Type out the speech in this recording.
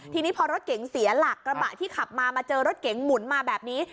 ทีนี้พอรถเก๋งเสียหลักกระบะที่ขับมามาเจอรถเก๋งหมุนมาแบบนี้